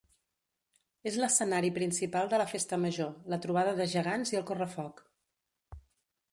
És l'escenari principal de la festa major, la trobada de gegants i el correfoc.